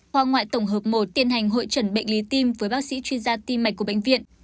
khoa ngoại tổng hợp một tiến hành hội trần bệnh lý tim với bác sĩ chuyên gia tim mạch của bệnh viện